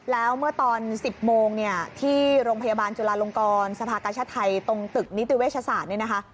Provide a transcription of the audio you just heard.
แล้วเมื่อตอน๑๐โมงที่โรงพยาบาลจุฬาลงกรสภากัชชะไทยตรงตึกนิติเวชศาสตร์